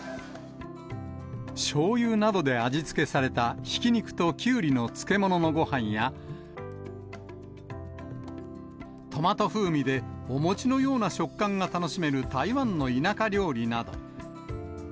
しょうゆなどで味付けされたひき肉ときゅうりの漬物のごはんや、トマト風味でお餅のような食感が楽しめる台湾の田舎料理など。